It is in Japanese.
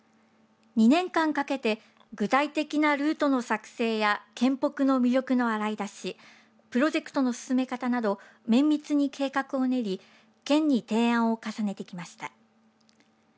２年間かけて具体的なルートの作成や県北の魅力の洗い出しプロジェクトの進め方など綿密に計画を練り県に提案を重ねてきました。